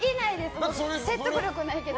説得力ないけど。